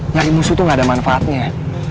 nyari musuh tuh gak ada manfaatnya